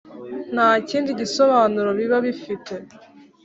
nta kindi gisobanuro biba bifite